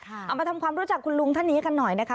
เอามาทำความรู้จักคุณลุงท่านนี้กันหน่อยนะคะ